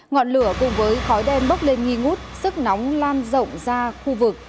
ngọn lửa cùng với khói đen bốc lên nghi ngút sức nóng lan rộng ra khu vực